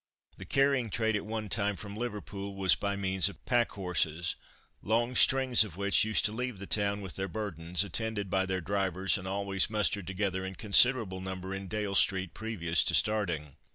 The carrying trade at one time from Liverpool was by means of packhorses, long strings of which used to leave the town with their burthens, attended by their drivers, and always mustered together in considerable number in Dale street previous to starting.